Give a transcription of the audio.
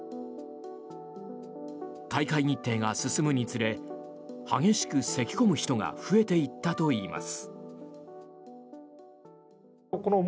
大会日程が進むにつれ激しくせき込む人が増えていったといいます。